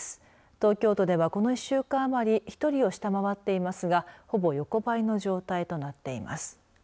東京都ではこの１週間余り１人を下回っていますがほぼ横ばいの状態となっています。